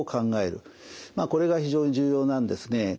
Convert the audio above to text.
まあこれが非常に重要なんですね。